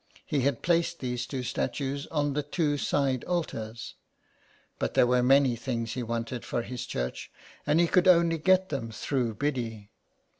He had placed these two statues on the two side altars. But there were many things he wanted for his church, and he could only get them through Biddy.